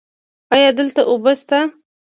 ایا دلته اوبه شته؟